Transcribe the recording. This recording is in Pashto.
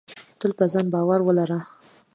تل په ځان باور ولره.